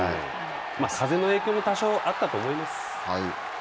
風の影響も多少あったと思います。